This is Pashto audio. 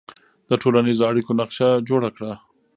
د ټولنیزو اړیکو نقشه جوړه کړه.